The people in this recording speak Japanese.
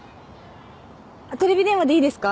テレビ電話でいいですか？